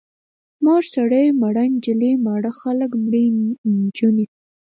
مور سړی، مړه نجلۍ، ماړه خلک، مړې نجونې.